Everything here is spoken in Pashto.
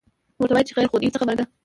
ورته وایي چې خیر خو دی، څه خبره ده؟